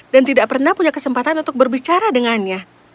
dan tidak pernah punya kesempatan untuk berbicara dengannya